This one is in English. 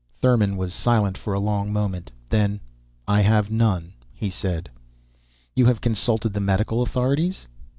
Thurmon was silent for a long moment. Then, "I have none," he said. "You have consulted the medical authorities?"